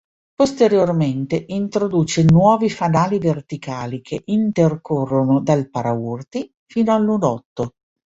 Posteriormente introduce nuovi fanali verticali che intercorrono dal paraurti fino al lunotto.